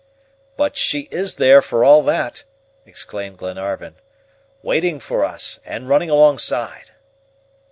"But she is there, for all that," exclaimed Glenarvan, "waiting for us, and running alongside."